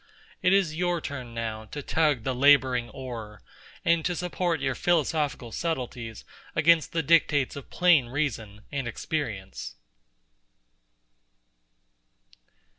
It is your turn now to tug the labouring oar, and to support your philosophical subtleties against the dictates of plain reason and experience.